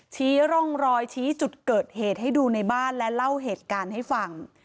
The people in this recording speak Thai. ชี้ร่องรอยชี้จุดเกิดเหตุให้ดูในบ้านและเล่าเหตุการณ์ให้ฟัง